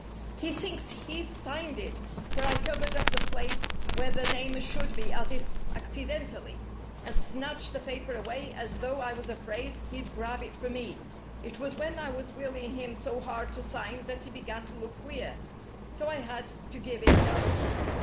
"He thinks he's signed it, for I covered up the place where the name should be as if accidentally, and snatched the paper away as though I was afraid he'd grab it from me. It was when I was willing him so hard to sign that he began to look queer. So I had to give it up."